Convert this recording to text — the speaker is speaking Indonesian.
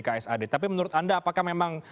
ksad tapi menurut anda apakah memang